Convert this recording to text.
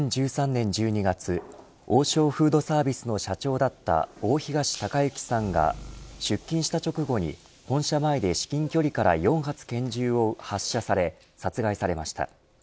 ２０１３年１２月王将フードサービスの社長だった大東隆行さんが出勤した直後に本社前で至近距離から４発拳銃を発射され殺害されました。